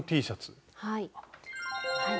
はい。